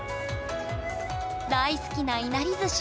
大好きないなりずし。